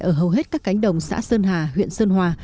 ở hầu hết các cánh đồng xã sơn hà huyện sơn hòa